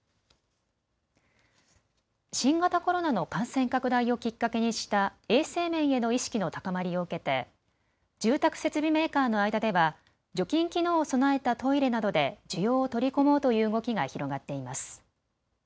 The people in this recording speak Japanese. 新型コロナの感染拡大をきっかけにした衛生面への意識の高まりを受けて住宅設備メーカーの間では除菌機能を備えたトイレなどで需要を取り込もうという動きが広がっています。